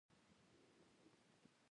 افغانستان د خپل مورغاب سیند یو ښه کوربه دی.